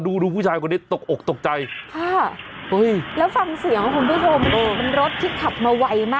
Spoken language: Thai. อุ๊ยเดี๋ยวนะเสียงต้องพร่มอะ